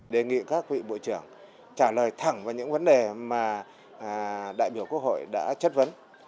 đề nghị các vị bộ trưởng trả lời thẳng vào những vấn đề mà đại biểu quốc hội đã chất vấn